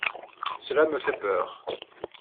Cela me fait peur.